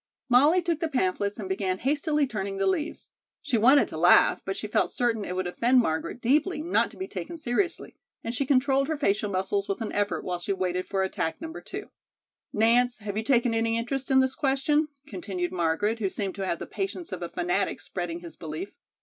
Molly took the pamphlets and began hastily turning the leaves. She wanted to laugh, but she felt certain it would offend Margaret deeply not to be taken seriously, and she controlled her facial muscles with an effort while she waited for attack No. Two. "Nance, have you taken any interest in this question?" continued Margaret, who seemed to have the patience of a fanatic spreading his belief.